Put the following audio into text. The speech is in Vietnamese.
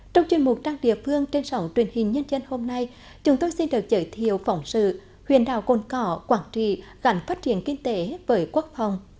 trong chuyên mục trang địa phương trên sổng truyền hình nhân dân hôm nay chúng tôi xin được giới thiệu phỏng sự huyền đảo cồn cỏ quảng trì gắn phát triển kinh tế với quốc phòng